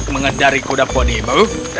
mengendari kuda bodimu